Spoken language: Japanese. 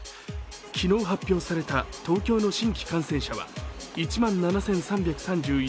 昨日発表された東京の新規感染者は１万７３３１人。